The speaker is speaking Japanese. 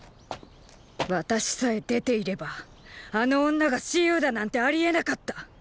私さえ出ていればあの女が蚩尤だなんて有り得なかった！